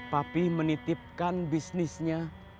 papih menitipkan bisnisnya